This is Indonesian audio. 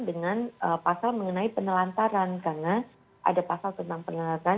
dengan pasal mengenai penelantaran karena ada pasal tentang penelantaran